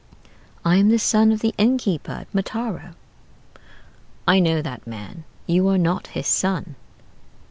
I am the son of the innkeeper at Mataro.' "'I know that man: you are not his son.'